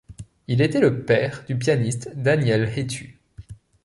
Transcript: Il était le père du pianiste Daniel Hétu.